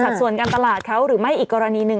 ส่วนการตลาดเขาหรือไม่อีกกรณีหนึ่ง